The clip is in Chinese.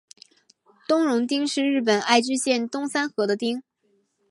东荣町是日本爱知县东三河的町。